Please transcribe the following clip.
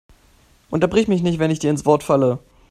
Unterbrich mich nicht, wenn ich dir ins Wort falle!